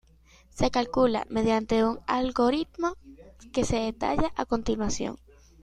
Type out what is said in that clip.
Se calcula mediante un algoritmo que se detalla a continuación.